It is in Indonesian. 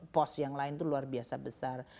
pos yang lain itu luar biasa besar